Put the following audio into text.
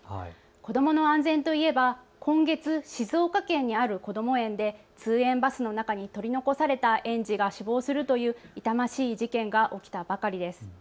子どもの安全といえば今月、静岡県にあるこども園で通園バスの中に取り残された園児が死亡するという痛ましい事件が起きたばかりです。